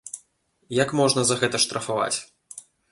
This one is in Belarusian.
Як можна за гэта штрафаваць?